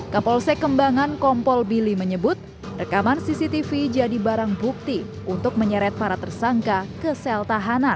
kapolsek kembangan kompol bili menyebut rekaman cctv jadi barang bukti untuk menyeret para tersangka ke sel tahanan